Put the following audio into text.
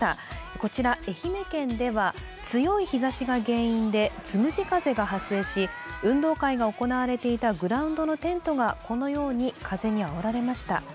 こちら愛媛県では強い日ざしが原因で、つむじ風が発生し運動会が行われていたグラウンドのテントがこのように風にあおられました。